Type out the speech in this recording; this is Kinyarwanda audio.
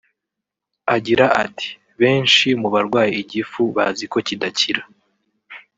Agira ati “Benshi mu barwaye igifu bazi ko kidakira